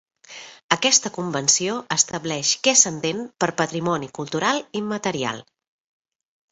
Aquesta Convenció estableix què s'entén per "patrimoni cultural immaterial".